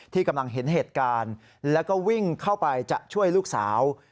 ที่กำลังเห็นเหตุการณ์แล้วก็วิ่งเข้าไปจะช่วยลูกสาว